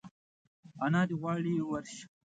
انا دي غواړي ورشه !